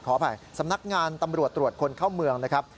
ขออภัยสำนักงานตำรวจตรวจคนเข้าเมืองนะครับ